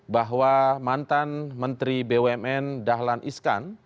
bahwa mantan menteri bumn dahlan iskan